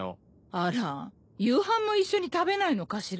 あら夕飯も一緒に食べないのかしら。